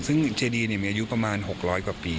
ซึ่งเจดีมีอายุประมาณ๖๐๐กว่าปี